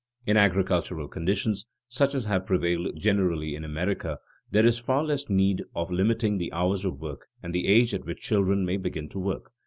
In agricultural conditions, such as have prevailed generally in America, there is far less need of limiting the hours of work and the age at which children may begin to work.